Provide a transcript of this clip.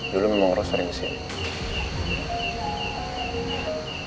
dulu memang roy sering kesini